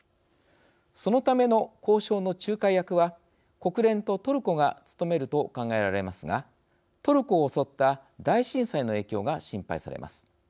そのための交渉の仲介役は国連とトルコが務めると考えられますがトルコを襲った大震災の影響が心配されます。